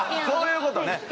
そういうことね。